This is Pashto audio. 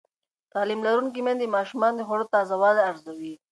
تعلیم لرونکې میندې د ماشومانو د خوړو تازه والی ارزوي.